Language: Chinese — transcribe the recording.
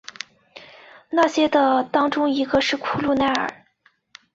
那些的当中一个是库路耐尔。